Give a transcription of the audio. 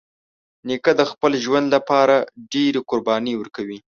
نیکه د خپل ژوند له پاره ډېری قربانۍ ورکوي.